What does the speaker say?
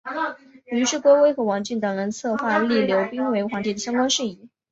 于是郭威和王峻等人策划立刘赟为皇帝的相关事宜。